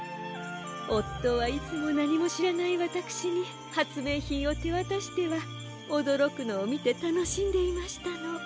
おっとはいつもなにもしらないわたくしにはつめいひんをてわたしてはおどろくのをみてたのしんでいましたの。